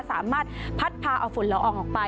สามารถพัดพาเอาฝุ่นละอองออกไป